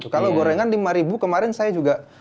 kalau gorengan lima ribu kemarin saya juga